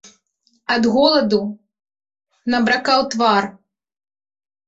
Ад голаду набракаў твар.